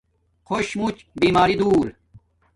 خوش موچ بیماری دو